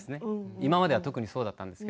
今までは特にそうだったんです。